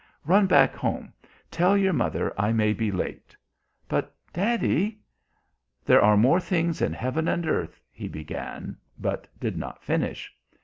Run back home, tell your mother I may be late." "But, daddy " "There are more things in heaven and earth," he began, but did not finish.